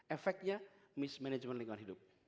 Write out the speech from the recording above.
efeknya mismanagement lingkungan hidup